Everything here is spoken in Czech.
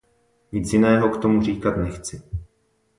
Nic jiného k tomu říkat nechci.